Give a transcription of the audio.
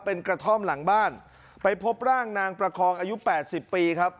เป็นกระท่อมหลังบ้านไปพบร่างนางประคองอายุแปดสิบปีครับ